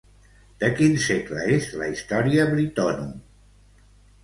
De quin segle és la Historia Brittonum?